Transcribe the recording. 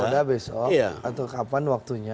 pada besok atau kapan waktunya